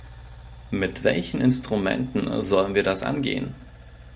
Mit welchen Instrumenten sollen wir das angehen?